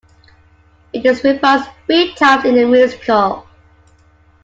It is reprised three times in the musical.